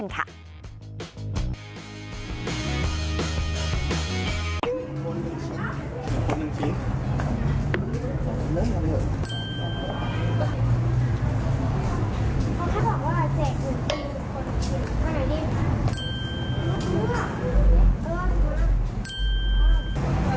แบบที่๑ผ่านไป